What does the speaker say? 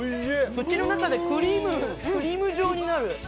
口の中でクリーム状になる。